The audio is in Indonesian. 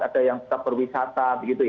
ada yang tetap berwisata